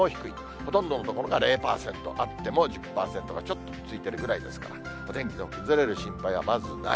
ほとんどの所が０％、あっても１０％か、ちょっとついているぐらいですから、お天気の崩れる心配はまずない。